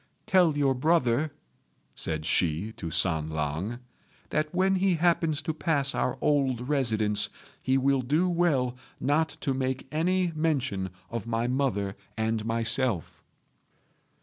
"Tell your brother," said she to San lang, "that when he happens to pass our old residence he will do well not to make any mention of my mother and myself."